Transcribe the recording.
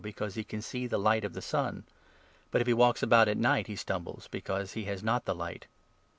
because he can see the light of the sun ; but, if he walks about to at night, he stumbles, because he has not the light."